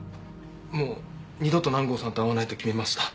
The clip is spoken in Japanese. もう二度と南郷さんと会わないと決めました。